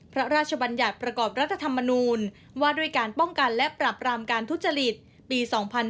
พระราชบัญญัติประกอบรัฐธรรมนูญว่าด้วยการป้องกันและปรับรามการทุจริตปี๒๕๕๙